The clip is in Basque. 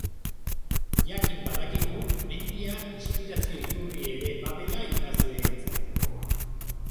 Jakin badakigu mendia inspirazio iturri ere badela idazleentzat.